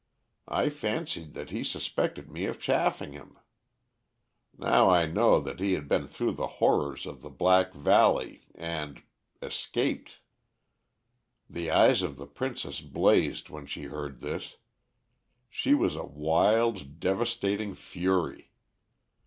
I fancied that he suspected me of chaffing him. Now I know that he had been through the horrors of the Black Valley and escaped. "The eyes of the princess blazed when she heard this. She was a wild devastating fury.